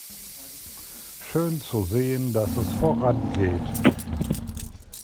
Schön zu sehen, dass es voran geht.